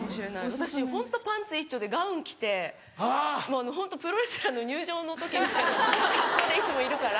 私ホントパンツいっちょうでガウン着てもうホントプロレスラーの入場の時みたいな格好でいつもいるから。